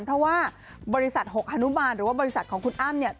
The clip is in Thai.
เพราะว่าบริษัทหกฮานุบาลหรือว่าบริษัทของคุณอ้ำเนี่ย